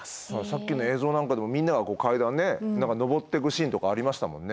さっきの映像なんかでもみんなが階段上っていくシーンとかありましたもんね。